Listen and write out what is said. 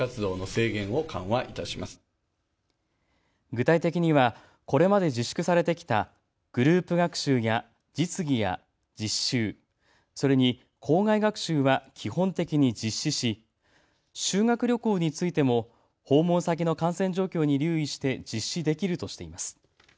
具体的にはこれまで自粛されてきたグループ学習や実技や実習、それに校外学習は基本的に実施し修学旅行についても訪問先の感染状況に留意して実施できるとしています。